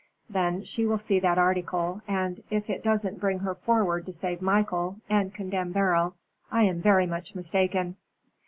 Then she will see that article, and if it doesn't bring her forward to save Michael and condemn Beryl, I am very much mistaken."